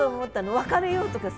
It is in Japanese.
「別れよう」とかさ。